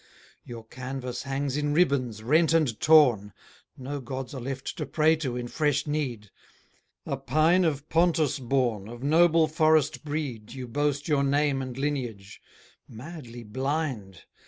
Your canvass hangs in ribbons, rent and torn; No gods are left to pray to in fresh need. A pine of Pontus born Of noble forest breed, You boast your name and lineage madly blind!